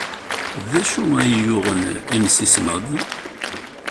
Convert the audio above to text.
D acu ay yuɣen imsismeḍ?